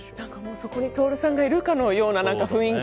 そこに徹さんがいるかのような雰囲気。